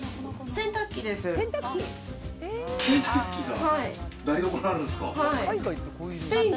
洗濯機が台所にあるんですか？